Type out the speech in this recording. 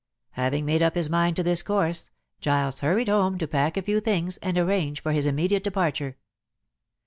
Having made up his mind to this course, Giles hurried home to pack a few things and arrange for his immediate departure.